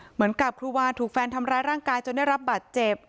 เหมือนกับครูวาถูกแฟนทำร้ายร่างกายจนได้รับบาดเจ็บ